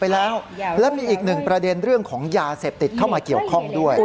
ไปแล้วและมีอีกหนึ่งประเด็นเรื่องของยาเสพติดเข้ามาเกี่ยวข้องด้วย